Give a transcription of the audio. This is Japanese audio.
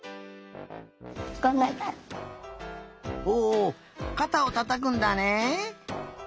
おかたをたたくんだね。